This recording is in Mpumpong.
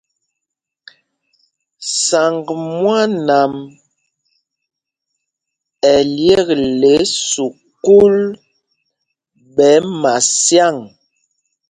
Saŋg mwân am ɛ yekle sukûl ɓɛ Masyâŋ.